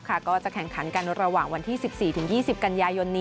ก็คือแข่งขันกันระหว่างวันที่๑๔หรือ๒๐ฝย